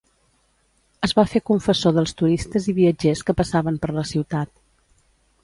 Es va fer confessor dels turistes i viatgers que passaven per la ciutat.